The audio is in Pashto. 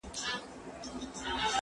زه به سبا درسونه ولوستم!!